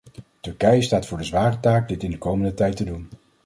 Turkije staat voor de zware taak dit in de komende tijd te doen.